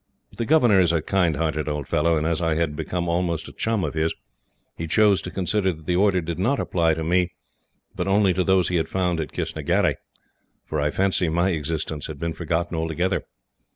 But the governor is a kind hearted old fellow, and as I had become almost a chum of his, he chose to consider that the order did not apply to me, but only to those he had found at Kistnagherry for I fancy my existence had been forgotten altogether.